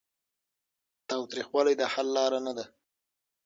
تاوتریخوالی د حل لاره نه ده.